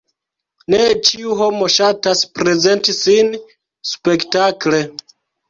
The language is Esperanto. Ne ĉiu homo ŝatas prezenti sin spektakle.